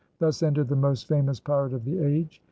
Thus ended the most famous pirate of the age.